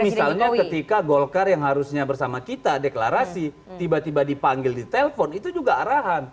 misalnya ketika golkar yang harusnya bersama kita deklarasi tiba tiba dipanggil di telpon itu juga arahan